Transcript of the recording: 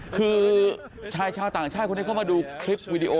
คือช่ายชาวต่างชายขวัดเราก็มาดูคลิปวิดีโอ